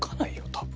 多分。